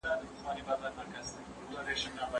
کورونو ته له اجازې پرته څوک نه ننوتل.